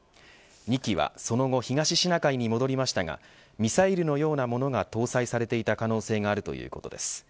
２機はその後東シナ海に戻りましたがミサイルのようなものが搭載されていた可能性があるということです。